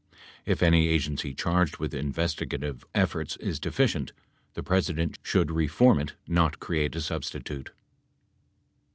If any agency charged with investigative efforts is deficient, the President should reform it, not create a substitute.